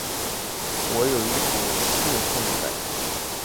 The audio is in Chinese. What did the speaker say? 我有一股兴奋的感觉